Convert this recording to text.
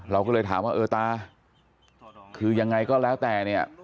เราก็เลยถามว่าเออตาคือยังไงก็แล้วแต่เนี่ย